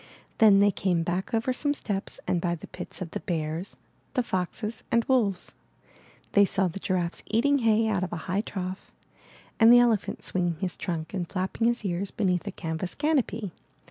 Then they came back over some steps and by the pits of the bears, the foxes, and wolves. They saw the giraffes eating hay out of a high trough, and the elephant swinging his trunk and flapping his ears beneath a canvas canopy.